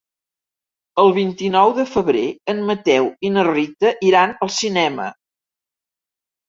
El vint-i-nou de febrer en Mateu i na Rita iran al cinema.